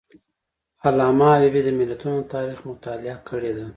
علامه حبیبي د ملتونو د تاریخ مطالعه کړې ده.